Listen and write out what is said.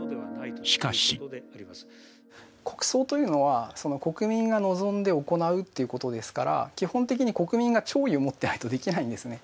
しかし国葬というのは国民が望んで行うということですから基本的に国民が弔意を持ってないとできないんですね。